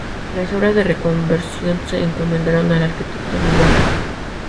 Las obras de reconversión se encomendaron al arquitecto Luis Barrón.